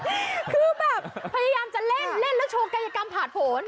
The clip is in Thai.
คือแบบพยายามจะเล่นเล่นแล้วโชว์กายกรรมผ่านผล